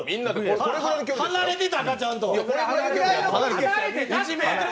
離れてたか、ちゃんと。